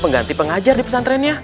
pengganti pengajar di pesantrennya